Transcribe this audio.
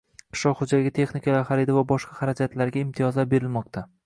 Qishloq xo‘jaligi texnikalari xaridi va boshqa xarajatlarga imtiyozlar berilmoqdang